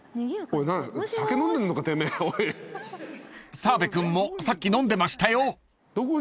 ［澤部君もさっき飲んでましたよ］